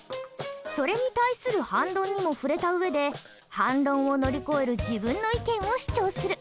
それに対する反論にも触れた上で反論を乗り越える自分の意見を主張する。